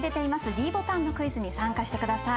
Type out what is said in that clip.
ｄボタンのクイズに参加してください。